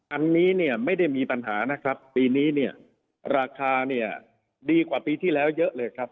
อันนี้เนี่ยไม่ได้มีปัญหานะครับปีนี้เนี่ยราคาเนี่ยดีกว่าปีที่แล้วเยอะเลยครับ